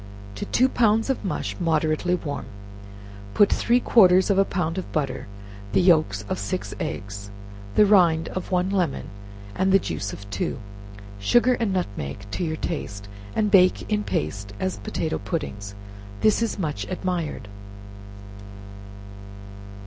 To two pounds of mush moderately warm, put three quarters of a pound of butter, the yelks of six eggs, the rind of one lemon, and juice of two; sugar and nutmeg to your taste, and bake in paste as potato puddings. This is much admired.